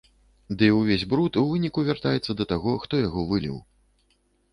Ды і ўвесь бруд, у выніку, вяртаецца да таго, хто яго выліў.